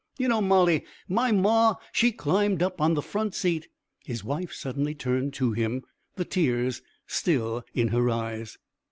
You know, Molly. My maw, she climb up on the front seat " His wife suddenly turned to him, the tears still in her eyes.